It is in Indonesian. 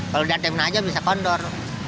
kalau datang ke mana saja bisa kondor